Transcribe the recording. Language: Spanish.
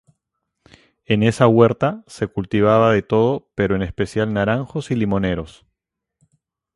En esa huerta se cultivaba de todo pero en especial naranjos y limoneros.